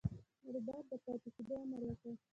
رابرټ د پاتې کېدو امر وکړ.